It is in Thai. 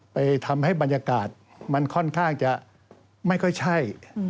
ไปทำให้บรรยากาศมันค่อนข้างจะไม่ค่อยใช่